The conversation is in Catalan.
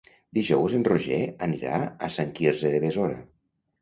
Dijous en Roger anirà a Sant Quirze de Besora.